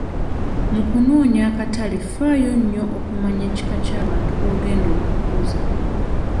Mu kunoonya akatale faayo nnyo okumanya ekika ky'abantu b'ogenda okuguza.